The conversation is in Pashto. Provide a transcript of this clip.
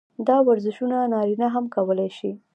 دا ورزشونه نارينه هم کولے شي -